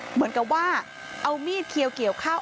เหมือนกับว่าเอามีดเขียวเกี่ยวข้าว